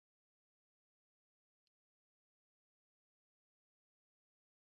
Xander espía fuera de la oficina.